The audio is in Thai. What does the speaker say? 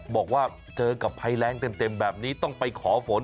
บอกว่าเจอกับภัยแรงเต็มแบบนี้ต้องไปขอฝน